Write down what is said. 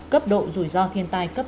cấp độ rủi ro thiên tài cấp ba